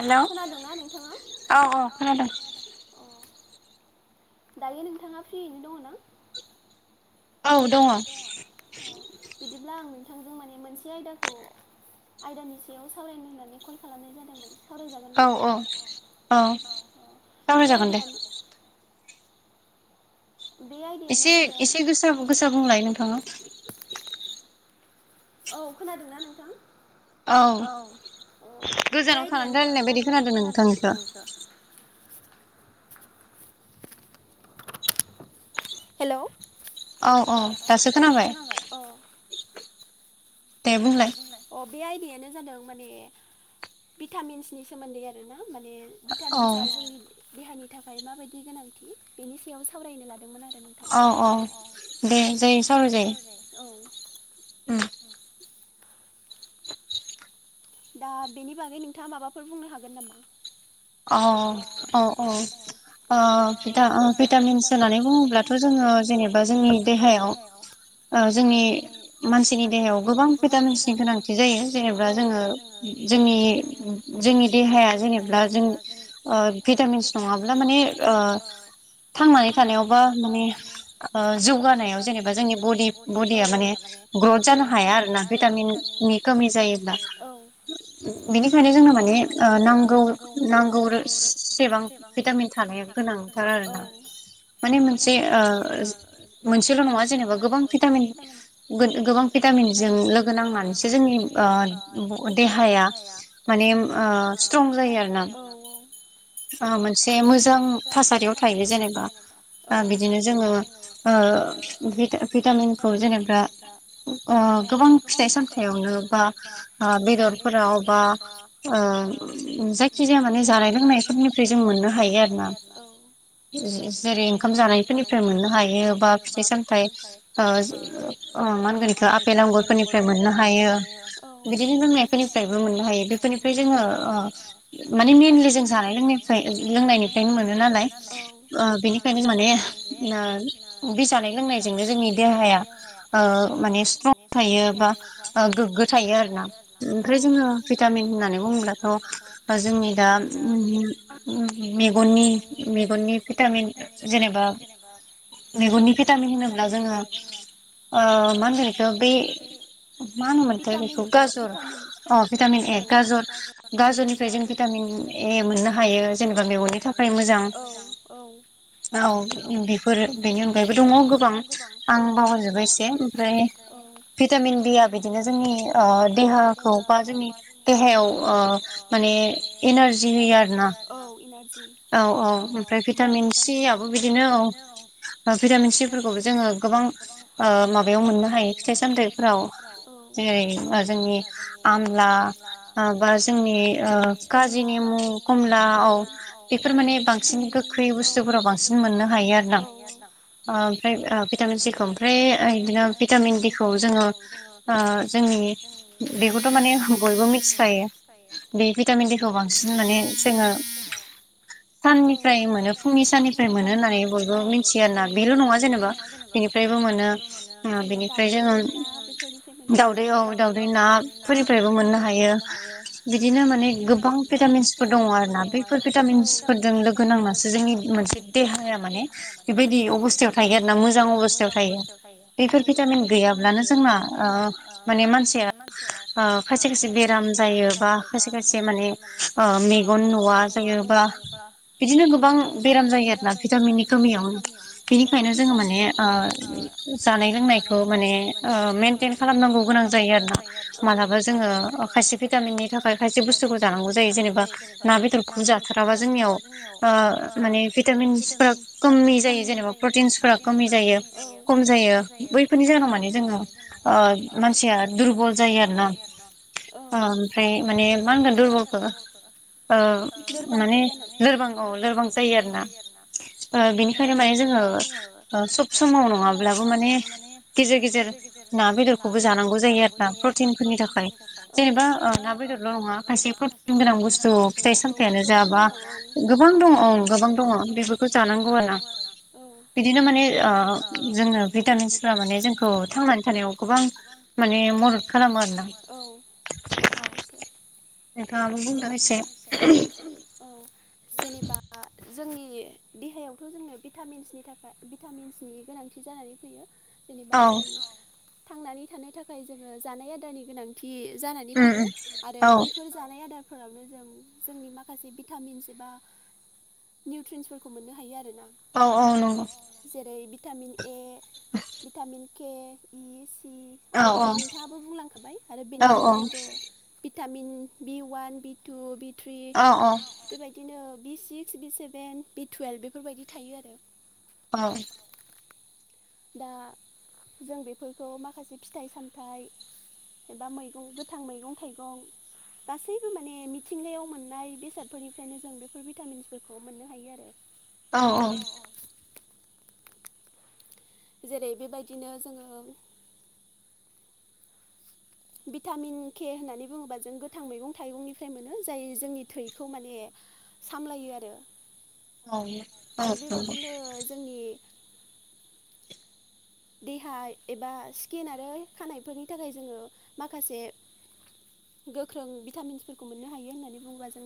हेल औ औ खोनादों। दायो नोंथाङा फ्रियैनो दङ ना? औ दङ। नोंथांजों माने मोनसे आयदाखौ आयदानि सायाव सावरायनो होननानै कल खालामनाय जादोंमोन। सावरायजागोन ना औ औ औ बे आइदायानो बे आयदायानो जादों। औ खोनादोंना नोंथां औ औ बे आइदायानो गोजानाव थाना रायलायनाय बिदि खोनादों नोंथांखौ [inaudible] हेल औ औ दासो खोनाबाय औ। अ बुलाय बे आयदायानो जादों माने भिटामिन्सनि सोमोन्दै आरो ना माने भिटामिन्सा जोंनि देहानि थाखाय माबायदि गोनांथि बेनि सायाव सावरायनो लादोंमोन आरो। औ औ दे जायो साराय जायो। दा बेनि बागै नोंथाङा माबाफोर बुंनो हागोन नामा? अ अ औ ओ भि भिटामिन्स होननानै बुङोब्लाथ जोङो जेनेबा जोंनि देहायाव जोंनि मानसिनि देहायाव गोबां भिटामिन्सनि गोनांथि जायो जेनेबा जोङो जोंनि जोंनि देहाया जेनेबा जों जों भिटामिन्स नङाब्ला माने थांनानै थानायाबा माने जौगानायाव जेनेबा जोंनि बडि बडिया माने ग्रथ जानो हाया आरोना भिटामिननि खमि जायोब्ला बिनिखायनो जोंनो माने नांगौ नांगौ सेबां भिटामिन थानाया गोनांथार आरोना माने मोनसे ओ मोनसेल' नङा जेनेबा गोबां भिटामिन गोबां भिटामिनजों लोगो नांनानैसो जोंनि ओ देहाया माने ओ स्ट्रं जायो आरो ना औ मोनसे मोजां थासारियाव थायो जेनेबा बिदिनो जोङो ओ भिटामिनखौ जेनेबा ओ गोबां फिथाइ सामथायाइयावनो बा बेदरफोराव बा ओ जायखि जायखिजाया माने जानाय लोंनायफोरनिफ्राय जों मोननो हायो आरो ना औ जेरै ओंखाम जानायफोरनिफ्राय मोननो हायो बा फिथाइ सामथाइ ओ अ मान गोन इखौ ओ आपेल आगुरफोरनिफ्राय मोननो हायो बिदिनो लोंनाय फोरनिफ्रायबो मोननो हायो बेफोरनिफ्राय जोङो माने मइेनलि जों जानाय लोंनायनिफ्राय लोंनायनिफ्रायनो मोनो नालाय ओ बेनिखायनो माने ओ बे जानाय लोंनायजोंनो जोंनि देहाया ओ माने स्ट्रं थायो। ओ‌ गोग्गो‌ थायो आरो ना ओमफाय जोङो भिटामिन होननानै बुङोब्लाथ' जोंनि दा मेगननि मेगननि भिटामिन जेनेबा जेनेबा मेगननि भिटामिन होनोब्ला जोङो मा होनगोन इखौ बे मा होनोमोनथाइ बेखौ गाज- जर आं भिटामिन ए गाजर गाजरनि- फ्राय जों भिटामिन ए मोननो हायो जेनेबा मेगननि थाखाय मोजां औ बेफोरो बेनि अनगायैबो दङ गोबां आं बावगारजोबबाय एसे ओमफ्राय भिटामिन बि आ बिदिनो जोंनि ओ देहाखौ बा जोंनि देहायाव ओ माने एनारजिनि आरो ना औ एनारजि औ औ भिटामिन दिनो औ भिटामिन सिफोरखौबो जोङो गोबां माबायाव मोननो हायो फिथाइ सामथायफोराव जेरै जों जोंनि आमला बा जोंनि काजि नेमु खमला बेफोर माने बांसिन गोखै बुस्थुफोराव बांसिन मोनो बांसिन मोननो औ‌ हायो आरोना। ओ ओमफ्राय भिटामिन सिखौ ओमफ्राय बिदिनो भिटामिन दिखौ जोङो। बेखौथ' माने बयबो मिथिखायो बे भिटामिन दि खौ बांसिन माने जोङो। साननिफ्राय मोनो फुंनि साननिफ्राय मोनो होननानै बयबो मिथियो आरोना बेल' नङा जेनेबा बेनिफ्रायबो मोनो जोङो दाावदै ना बेफोरनिफ्राय मोनो आरो दाउदै औ दावउदै ना फोरनिफ्रायबो मोननो हायो। बिदिनो माने गोबां भिटामिन्सफोर दङ आरो ना बैफोर भिटामिन्सफोरजों लोगो नांनासो जोंनि मोन से देहाया माने बेबायदि अबस्थायाव थायो आरोना मोजां अबस्थायाव थायो बेफोर भिटामिन गैयाब्लानो जोंना ओ माने‌ मा माने मानसिया ओ खायसे खायसे बेराम जायो। बा खायसे खायसे माने ओ मेगन नुवा‌ जायो बा बिदिनो गोबां बेराम जायो आरोना भिटामिननि खामियाव बिनिखायनो जोङो माने ओ जानाय लोंनायखौ माने ओ मेेनटेन खालामनांगौ गोनां जायो। आरो ना मालाबा जोङो खायसे भिटामिननि थाखाय खायसे बुस्थुखौ जानांगौ जायो जेनेबा ना बेदरखौ जाथाराबा जोंनियाव ओ माने भिटामिनस फोर खमि जायो जेनेबा प्रटिनस फोर खमि जायो खम जायो बैफोरनि जा होनाव माने जोङो मानसिया दुरबल जायो आरो ना औ मे मा होनगोन दुरबलखौ माने लोरबां औ लोरबां जायो आरोना बिनिखायनो माने जोंङो। सब समाव नंङाब्लाबो मान गेजेर गेजेर ना बेदखौबो जानांगौ। जायोनि थाखाय जेनेबा ल' नंङा खायसे प्रटिन गोनां बुस्थु फिथाइ सामथायाइयानो जायाबा गोबां दंङो गोबां दङो। बेफोरखौ जानांगौ ना बिदिनो माने जोंनो भिटामिन्सफ माने जों खौ थांनानै थानायाव गोबां माने मदद खालामो आरो ना। नथ' आवब बुं दाहायस जेनेबा जोंनि देहायावथ' जोंङो भिटामिन्सनि थाखाय भिटामिन्सनि गोनांथि जानानै फैयो। जेनेबा जों थांनानै थानो थाखाय जोंङो जानाय आदारनि गोनांथि हि जानानै फैयो आरो बैफोर जानाय आदार फोरावनो जों जोंनि माखासे भिटामिन्स एबा निउट्रिन्सफोरखौ मोननो हायो आरोना। जेरै vitamin A vitamin K E C आरो दि नोंथांङाबो बुंलांखाबाय आरो बेनि अनगायैबो vitamin um B one B two B three बेबायदिनो B six B seven B twelve बेफोरबायदि थायो आरो औ दा जों बेफोरखौ माखासे फिथाइ सामथाइ एबा मैगं गोथां मैगं थाइगं गासैबो माने मिथिंगायाव मोननाय बेसादफोरनिफ्रायनो जों बेफोर भिटामिन्सफोरखौ मोननो हायो आरो। औ औ जेरै बेबायदिनो जोंङो। भिटामिन के होननानै बुंङोबा जों गोथां मैगं थाइगंनिफ्राय मोनो जाय जोंनि थैखौ माने सामलायो आरो आरो बेबायदिनो जोंनि देहा एबा स्किन आरो खानायफोरनि थाखाय जोंङो माखासे गोख्रों भिटामिन्सफोरखौ मोननो हायो होननानै बुंङोबा जों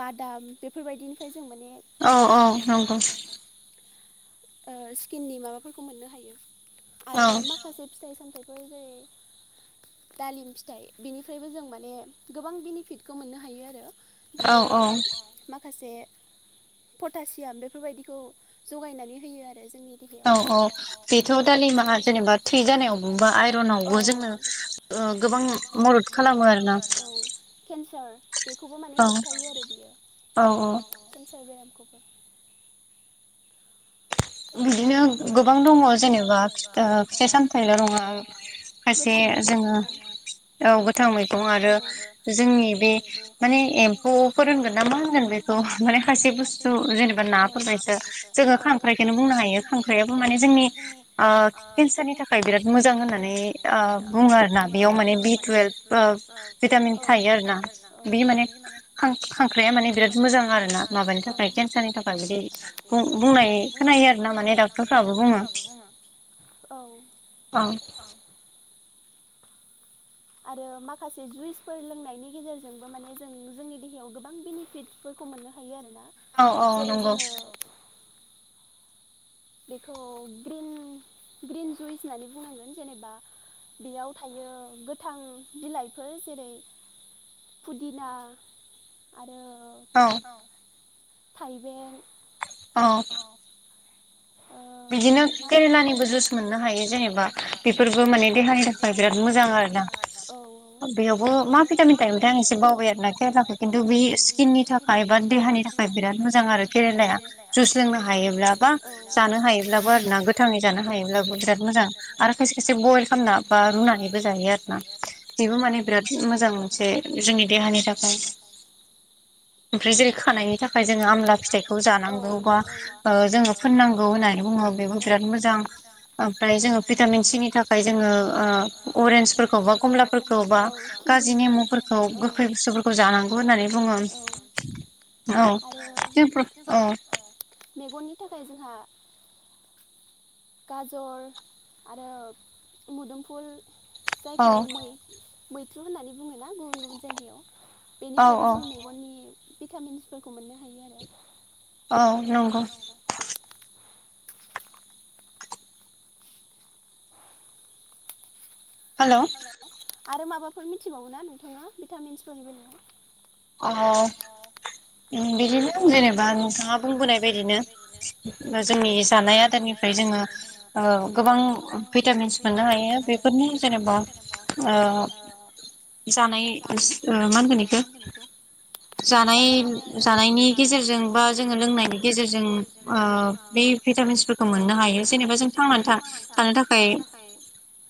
बादाम बेफोरबायदिनिफ्राय औ औ नंगौ। स्किननि माबाफोरखौ मोननो हायो आरो माखासे फिथाइ सामथाय बै जायो। दालिम फिथाइ बेनिफ्रायबो जों माने गोबां बेनिफिटखौ मोननो हायो आरो। बियो माखासे पटासियाम बेफोरबायदिखौ जगायनानै होयो। आरो जोंनि दिबिायाव औ औ दालिमा जेनेबा थै जानायावबा आइरनावबो जोंनो गोबां मदद खालामो केन्सार बेखौबो माने होबथायो आरो बियो खौबो बिदिनो गोबां दंङो जेनेबा जेनेबा फिसा सामथायल' नंङा गोथाङै दथ जोंङो औ गोथां मैगं आरो जोंनि बे माने एम्फौआव फोरुनगोन ना मा होनगोन बे माने खायसे बुस्थु जेनेबा नाफोरसो जोङो खां बेखौनो बुंनो हायो खांख्राइयाबो माने जोंनि केन्सारनि थाखाय बिराद मोजां होननानै बुंङो आर ना बेयाव माने बि टुयेल्भ थायो थाखाय नि थाखाय केन्सारनि थाखाय बिदि बुंनाय। खोनायो आर ना माने डक्टरफ्राबो बुङो। औ औ आरो माखासे जुइसफोर लोंनायनि गेजेरजोंबो माने जों जोंनि देहायाव गोबां बेनिफिटफोरखौ मोनो। थनो हायो आरो ना। औ औ नंगौ। बेखौ ग्रिन ग्रिन जुइस होननानै बुंनांगोन जेनेबा बेयाव थायो गोथां बिलाइफोर जेरै फुदिना आरो थाइबें अ अ बिदिनो केरेलानिबो जुइस मोननो हायो जेनेबा बेफोरबो माने देहानि थाखाय बिराद मोजां आरोना बेयावबो मा भिटामिन थाहबायथाय आं एसे बावबाय आरोना खेलााखै खिन्थु बे स्किननि थाखाय बा देहानि थाखाय बिराद मोजां आरो केेरेलाया जुस लोंनो हायोब्ला बा ज जानो हायोब्लाबो आरोना गोथाङै जानो हायोब्लाबो बिराद मोजां आरो खायसे खायसे जायो आरोना बेबो माने बिराद मोजां मोनसे जोंनि देहानि थाखाय [inaudible] ओमफ्राय जेरै खानायनि थाखाय जोङो आमला फिथाइखौ जानांगौ बा जोङो फोननांगौ। खौ होननानै बुङो बेबो बिराद मोजां ओमफ्राय जोङो भिटामिन सिनि थाखाय जोङो ओ अरेन्जफोरखौ बा कमलाफोरखौ बा खाजि नेमुफोरखौ गोखै बुस्थुफोरखौ जानांगौ होननानै बुङो उम आरो मेगननि थाखाय जोंहा गाजर आरो मोदोमफुल जायखौै मैथ्रु होननानै बुङ ना गुबुन गुबुन जायगायाव बेनिफ्रायबो जों मेगननि भिटामिन्सफोरखौ मोननो हायो आरो। औ नंगौ। हेल आरो माबाफोर मिथिबावौ ना नोंथाङा भिटामिन्सफोरनि बेलाव औ बिदिनो जेनेबा नोंथाङा बुंबोनाय बायदिनो जोंनि जानाय आदारनि निफ्राय जोङो ओ गोबां भिटामिन्स मोननो हायो बेफोरनि जेनेबा ओ जानाय मा होनगोन इखो [inaudible] जानाय जानायनि गेजेरजों बा जोङो लोंनायनि गेजेरजों ओ बे भि बे भिटामिन्सफोरखौ मोननो हायो जेनेबा जों थांनानै था थानो थाखाय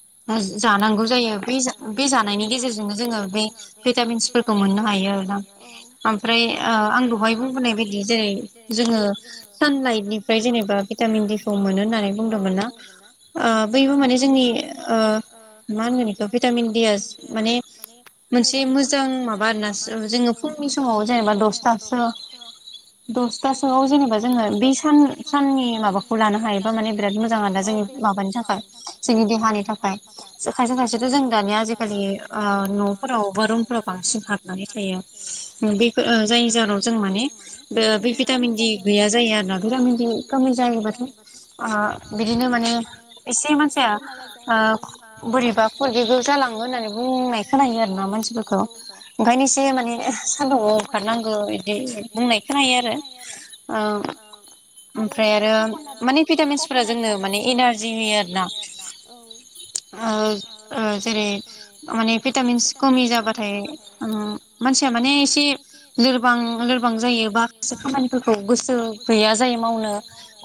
[unintelligible] जा जानांगौ जायो बै जा बै जानायनि गेजेरजोंनो जोङो बे भिटामिन्सफोरखौ मोननो हायो। ओमफ्राय ओ आं दहाय बुंबोनाय बायदि जेरै जोङो सानलाइटनिफ्राय जेनेबा भिटामिन दि खौ मोनो होननानै बुंदोंमोन ना ओ बैबो माने जोंनि ओ मा होनगोन इखो भिटामिन डिया माने मोनसे मोजां माबा आरोना गारनासो जोङो फुंनि समाव जेनेबा दसथासो दसथासोआव जेनेबा जोङो बे सान साननि माबाखौ लानो हायोबा माने बिराद मोजां आदा जोंनि माबानि थाखाय जोंनि देहानि थाखाय। जो खायसे खायसेथ जों दानिया आजिखालि ओ न'फोराव बा रुमफोराव बांसिन हा बिनि खमि जायो। जायो औ बिदिनो माने माखासे बेमार आजार ओं ओ बोरैबा फरगेव गेव जालाङो होननानै बुंनाय खोनायो आरो ना मानसिफोरखौ। ओंखायनो एसे माने सन्दुंआव ओंखारनांगौ इदि बुंनाय खोनायो आरो। ओ ओ आरो पकनाट ककनाटस [inaudible] आरो ना औ ओ ओ जेरै माने भिटामिन्स खमि जाबाथाय मानसिया माने एसे लोरबां लोरबां जायो बा खायसे खामानिफोरखौ गोसो गैया जायो मावनो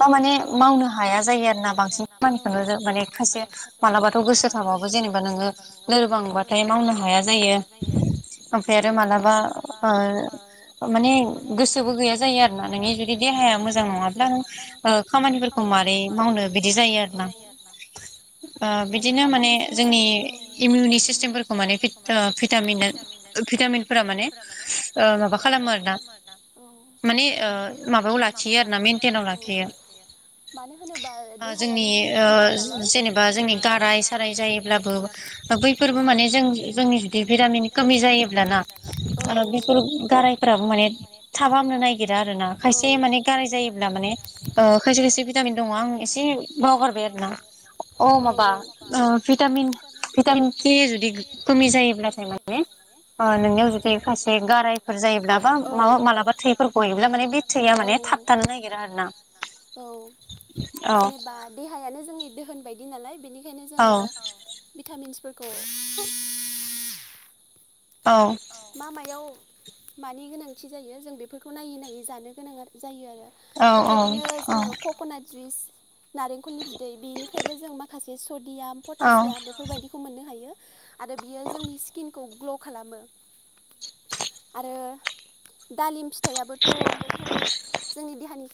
बा माने मावनो हाया जायो आरो ना बांसिन खामानिखौनो माने खायसे मालाबाथ' गोसो थाबाबो जेनेबा नोङो लोरबांबाथाय मावनो हाया जायो। ओमफ्राय आरो मालाबा ओ माने गोसोबो गैया जायो आरोना नोंनि जुदि देहा हाया मोजां नङाब्ला नों ओ खामानिफोरखौ मारै मावनो बिदि जायो आरोना। ओ बिदिनो माने जोंनि इमिउनि सिस्टेमफोरखौ माने भि ओ भिटामिना भिटामिन फोरा माने ओ माबा खालामो आरोना माने ओ माबायाव ला माबायाव लाखियो आरो ना औ मेनटेनाव लाखियो। मानो होनोबा देहायानो जोंनि सम्फद नालाय। गाराय साराय जायोब्लाबो ओ बैफोरबो माने जों जोंनि जुदि भिरामिन कोमि जायो ब्लाना ओ बेफोर गारायफ्राबो माने थाब हामनो नागिरा आरोना खायसे माने गाराय जायोब्ला माने ओ खायसे खायसे भिटामिन दं‌ आं इसे बावगारबाय आरोना। अ अ माबा ओ भिटामिन भिटामिन के जुदि कोमि जायोब्लाथाय माने अ नोंनियाव जुदि सायसे गारायफोर जायोब्ला बा माबा मालाबा थैफोर ग'योब्ला माने बे थैया माने थाबथानो नागिरा आरो ना। औ जेनेबा देहायानो जोंनि दोहोन बाय दि नालाय बेनिखायनो जोङो औ भिटामिन्सफोरखौ मा मायाव मानि गोनांथि जायो जों बेफोरखौ नायै नायै जानो गोनां आरो जायो आरो। बेबायदिनो जोङो कक'नाट जुइस नारेंखलनि बिदै बेनिफ्रायबो जों माखासे सदियाम पटासियाम बेफोरबायदिखौ मोननो हायो। आरो बियो जोंनि स्किनखौ ग्ल' खालामो। आरो दालिम फि थाइयाबोथ' जोंनि देहानि